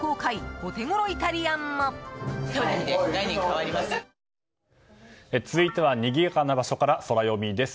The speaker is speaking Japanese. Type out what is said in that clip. わかるぞ続いてはにぎやかな場所からソラよみです。